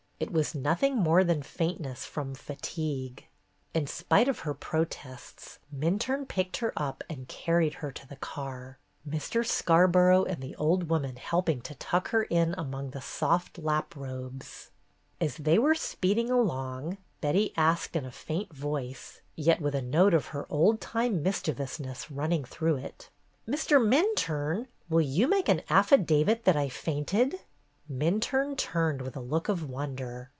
It was nothing more than faintness from fatigue. In spite of her protests, Minturne picked 142 BETTY BAIRD'S GOLDEN YEAR her up and carried her to the car, Mr. Scar borough and the old woman helping to tuck her in among the soft lap robes. As they were speeding along, Betty asked in a faint voice, yet with a note of her old time mischievousness running through it : "Mr. Minturne, will you make an affadavit that I fainted ?" Minturne turned with a look of wonder.